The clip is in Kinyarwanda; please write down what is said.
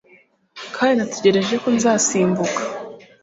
Kandi natekereje ko nzasimbuka